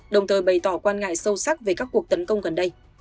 đồng thời bày tỏ quan ngại sâu sắc về các cuộc tấn công gần đây